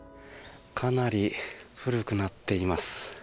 かなり古くなっています。